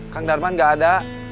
kang darman nggak ada